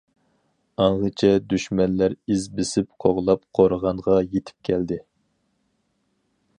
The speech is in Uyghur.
ئاڭغىچە دۈشمەنلەر ئىز بېسىپ قوغلاپ قورغانغا يېتىپ كەلدى.